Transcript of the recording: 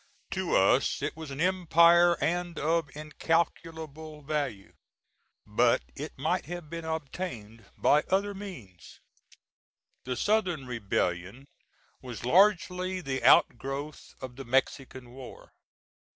To us it was an empire and of incalculable value; but it might have been obtained by other means. The Southern rebellion was largely the outgrowth of the Mexican war.